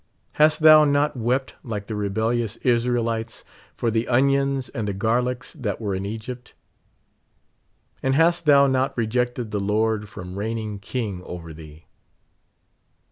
Hast thou not wept like the rebellious Israelites for the onions and the garlics that were in Egypt ? And hast thou not rejected the Lord from reign ing king over thee